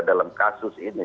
dalam kasus ini